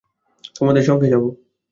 তোমাদের সঙ্গে যাব।